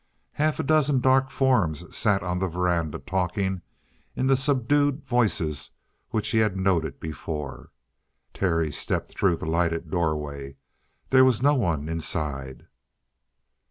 Half a dozen dark forms sat on the veranda talking in the subdued voices which he had noted before. Terry stepped through the lighted doorway. There was no one inside.